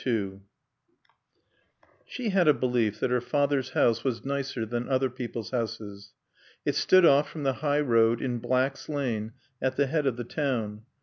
II She had a belief that her father's house was nicer than other people's houses. It stood off from the high road, in Black's Lane, at the head of the town.